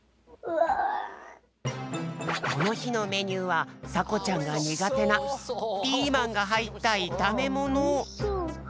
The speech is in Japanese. このひのメニューはさこちゃんがにがてなピーマンがはいったいためもの。